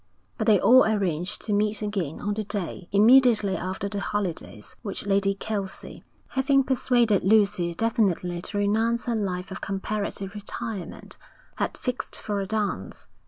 But they all arranged to meet again on the day, immediately after the holidays, which Lady Kelsey, having persuaded Lucy definitely to renounce her life of comparative retirement, had fixed for a dance.